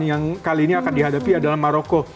yang kali ini akan dihadapi adalah maroko